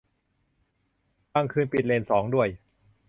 บางคืนเปิดเลนสองด้วย